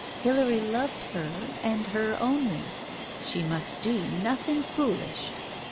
Hilary loved her and her only. She must do nothing foolish.